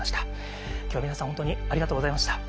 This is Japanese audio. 今日は皆さん本当にありがとうございました。